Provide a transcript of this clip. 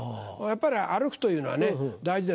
やっぱり歩くというのはね大事ですから。